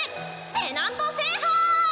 ペナント制覇！